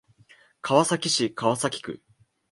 川崎市川崎区